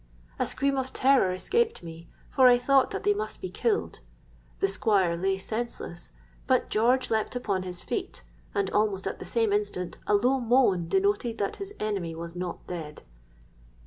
"A scream of terror escaped me; for I thought that they must be killed. The Squire lay senseless; but George leapt upon his feet—and almost at the same instant a low moan denoted that his enemy was not dead.